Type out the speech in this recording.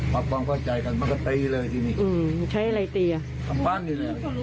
ปรับความเข้าใจกันมันก็ตีเลยที่นี่